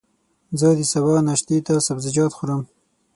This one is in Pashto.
زه د سبا ناشتې ته سبزيجات خورم.